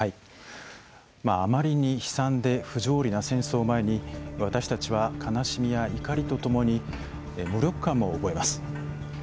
あまりに悲惨で不条理な戦争を前に私たちは悲しみや怒りとともに無力感も覚えます。